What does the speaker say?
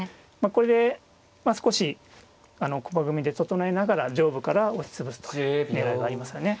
これで少し駒組みで整えながら上部から押し潰すという狙いがありますよね。